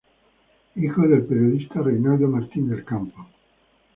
Hijo del periodista Reinaldo Martin del Campo.